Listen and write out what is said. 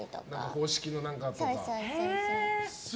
公式の何かとかね。